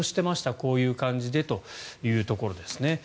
こういう感じでというところですね。